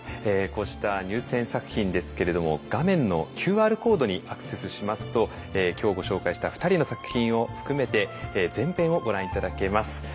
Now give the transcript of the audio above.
こうした入選作品ですけれども画面のＱＲコードにアクセスしますと今日ご紹介した２人の作品を含めて全編をご覧頂けます。